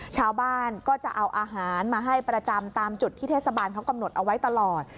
ชาวบ้านก็จะเอาอาหารมาให้ประจำตามจุดที่เทศบาลเขากำหนดเอาไว้ตลอด